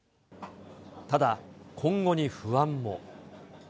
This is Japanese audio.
ただ、今後に不安も。